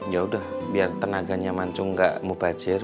yaudah biar tenaganya mancung gak mubazir